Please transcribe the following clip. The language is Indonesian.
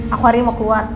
aku hari ini mau keluar